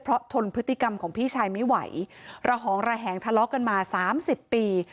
เพราะทนพฤติกรรมของพี่ชายไม่ไหวระหองระแหงทะเลาะกันมาสามสิบปี